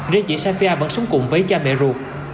riêng chị sanfa vẫn sống cùng với cha mẹ ruột